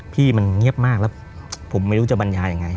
พี่มันเงียบมากแล้วผมไม่รู้จะบรรยายังไง